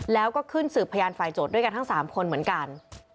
แล้วก็ขึ้นสืบพยานฝ่ายโจทย์ด้วยกันทั้ง๓คนเหมือนกัน